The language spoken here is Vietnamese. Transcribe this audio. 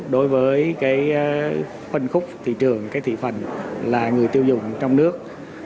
đối với phân khúc thị trường thị phần là người tiêu dùng trong nước